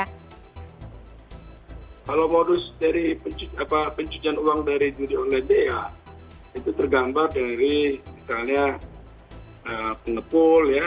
kalau modus dari pencucian uang dari judi online itu ya itu tergambar dari misalnya pengepul ya